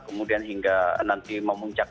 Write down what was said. kemudian hingga nanti memuncak